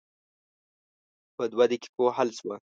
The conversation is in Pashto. په دوه دقیقو حل شوه.